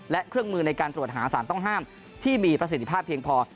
และเครื่องมือในการตรวจหาสารต้องห้ามที่มีประสิทธิภาพเพียงพอ